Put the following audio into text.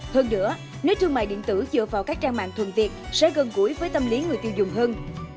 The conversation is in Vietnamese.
hơn nữa nơi thương mại điện tử dựa vào các trang mạng thuần việt sẽ gần gũi với tâm lý người tiêu dùng hơn